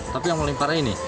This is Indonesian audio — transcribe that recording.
tapi yang paling parah ini